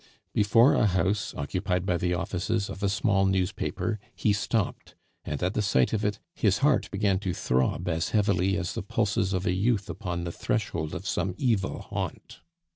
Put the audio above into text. Before a house, occupied by the offices of a small newspaper, he stopped, and at the sight of it his heart began to throb as heavily as the pulses of a youth upon the threshold of some evil haunt.